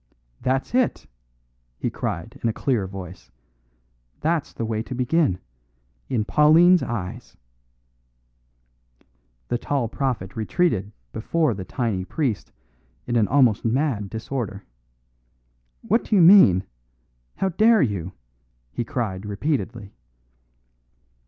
"That's it!" he cried in a clear voice. "That's the way to begin. In Pauline's eyes " The tall prophet retreated before the tiny priest in an almost mad disorder. "What do you mean? How dare you?" he cried repeatedly.